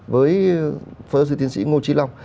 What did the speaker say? với pháp giáo sư tiến sĩ ngô trí long